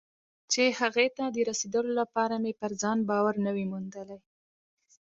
چې هغه ته د رسېدو لپاره مې پر ځان باور نه وي موندلی.